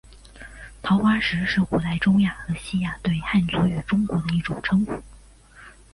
桃花石是古代中亚和西亚对汉族与中国的一种称呼。